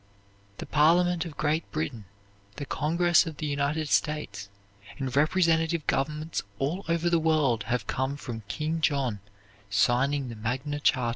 The Parliament of Great Britain, the Congress of the United States, and representative governments all over the world have come from King John signing the Magna Charta.